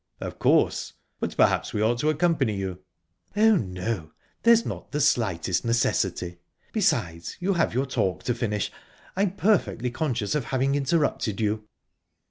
"Of course but perhaps we ought to accompany you?" "Oh, no there's not the slightest necessity. Besides, you have your talk to finish. I'm perfectly conscious of having interrupted you."